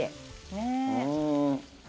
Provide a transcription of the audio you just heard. ねえ。